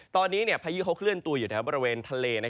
ตอนนี้พายุเขาเคลื่อนตัวอยู่แถวบริเวณทะเล